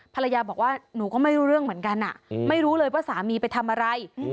ภรรยาบอกว่าหนูก็ไม่รู้เรื่องเหมือนกันไม่รู้เลยว่าสามีไปทำอะไร